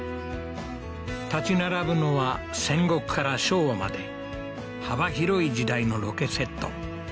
立ち並ぶのは戦国から昭和まで幅広い時代のロケセット